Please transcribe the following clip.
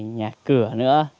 nhà cửa nữa